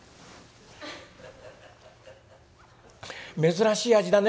「珍しい味だね